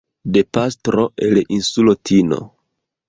de pastro, el insulo Tino.